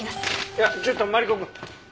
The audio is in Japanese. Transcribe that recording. いやちょっとマリコくん。